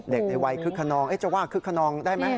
ในวัยคึกขนองจะว่าคึกขนองได้ไหม